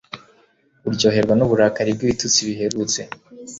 Uryoherwa nuburakari bwibitutsi biherutse